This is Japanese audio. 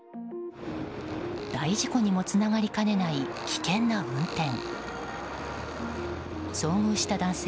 大事故にもつながりかねない危険な運転。